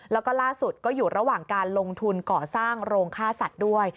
แล้วก็ล่าสุดก็อยู่ระหว่างการลงทุนก่อสร้างโรงค่าสัตว์ด้วย